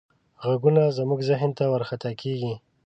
غږونه زموږ ذهن ته ورخطا کېږي.